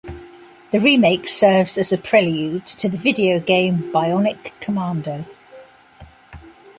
The remake serves as a prelude to the video game "Bionic Commando".